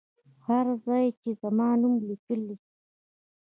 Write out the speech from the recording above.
هر ځای چې زما نوم لیکلی.